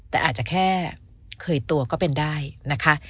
แต่อาจจะแค่เคยตัวก็เป็นได้นะคะ